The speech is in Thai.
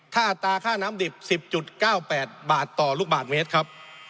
ถ้าอัตราค่าน้ำดิบ๑๐๙๘บาทต่อลูกบาทเมตรครับ